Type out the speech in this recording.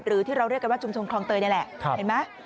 หรือที่เราเรียกกันว่าชุมชนคลองเตยนี่แหละเห็นไหม